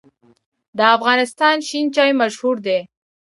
د افغانستان شین چای مشهور دی